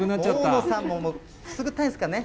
大野さんもくすぐったいんですかね。